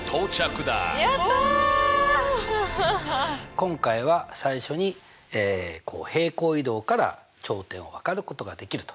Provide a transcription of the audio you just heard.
今回は最初に平行移動から頂点をわかることができると。